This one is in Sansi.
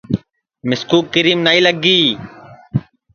مِسکُو کیرم نائی لگی